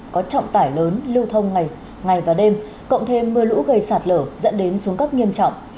có trọng tải lớn lưu thông ngày và đêm cộng thêm mưa lũ gây sạt lở dẫn đến xuống cấp nghiêm trọng